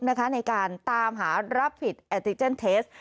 ในการตามหารับผิดแอติเจนเทส